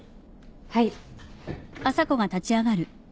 はい。